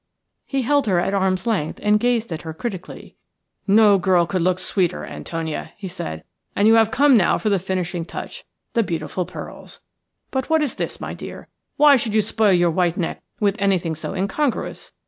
He held her at arm's length and gazed at her critically. "No girl could look sweeter, Antonia," he said, "and you have come now for the finishing touch – the beautiful pearls. But what is this, my dear? Why should you spoil your white neck with anything so incongruous?